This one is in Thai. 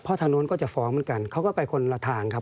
เพราะทางโน้นก็จะฟ้องเหมือนกันเขาก็ไปคนละทางครับ